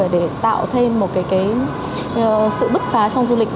để tạo thêm một sự bức phá trong du lịch